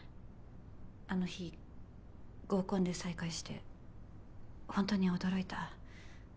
あの日合コンで再会してほんとに驚いた。